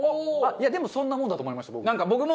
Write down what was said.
いやでもそんなもんだと思いました僕も。